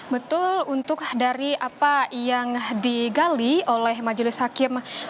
betul untuk dari apa yang digali oleh majelis hakim